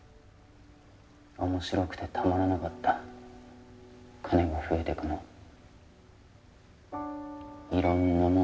面白くてたまらなかった金が増えてくの色んなもん